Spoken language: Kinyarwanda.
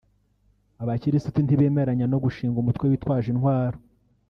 Abakirisitu ntibemenyeranya ku gushinga umutwe witwaje intwaro